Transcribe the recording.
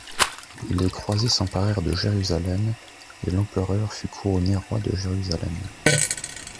Les Croisés s'emparèrent de Jérusalem et l'Empereut fut couronné Roi de Jérusalem.